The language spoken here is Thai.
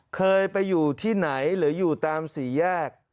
เคยไปอยู่ที่ไหนหรืออยู่ตามสี่แยก